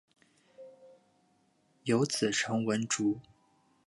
有子陈文烛。